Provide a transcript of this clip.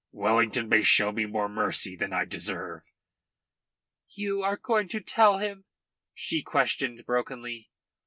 "Wellington may show me more mercy than I deserve." "You are going to tell him?" she questioned brokenly.